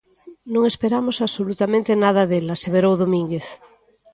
Non esperamos absolutamente nada del, aseverou Domínguez.